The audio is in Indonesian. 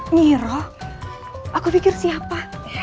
nyiroh aku pikir siapa